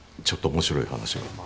ちょっと面白い話が。